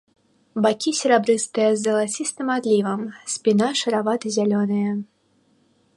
Бакі серабрыстыя з залацістым адлівам, спіна шаравата-зялёная.